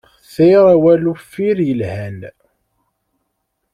Xtir awal uffir yelhan!